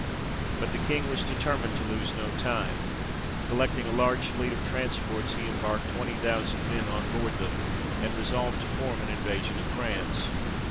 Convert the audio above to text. But the King was determined to lose no time ; collecting a large fleet of transports, he embarked twenty thousand men on board them, and resolved to form an invasion of France.